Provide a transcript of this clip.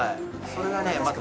それがね。